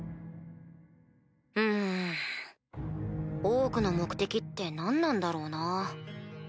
オークの目的って何なんだろうな？